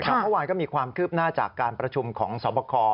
เมื่อวานก็มีความคืบหน้าจากการประชุมของสวบค